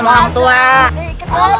mau lari kemana